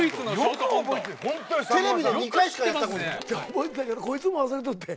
覚えてたけどこいつも忘れとって。